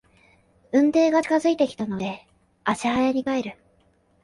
雨雲が近づいてきたので足早に帰る